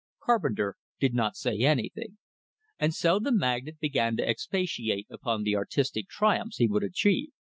Carpenter did not say anything, and so the magnate began to expatiate upon the artistic triumphs he would achieve.